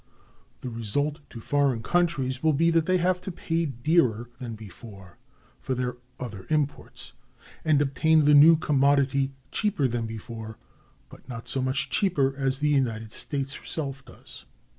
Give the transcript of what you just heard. The result to foreign countries will be, that they have to pay dearer than before for their other imports, and obtain the new commodity cheaper than before, but not so much cheaper as the United States herself does.